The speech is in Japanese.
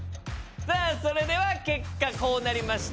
さあそれでは結果こうなりました。